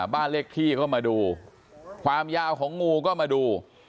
บ้านเลขที่ก็มาดูความยาวของงูก็มาดู